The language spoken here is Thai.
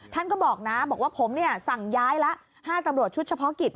ท่านก็บอกนะบอกว่าผมสั่งย้ายละ๕ตำรวจชุดเฉพาะกิจ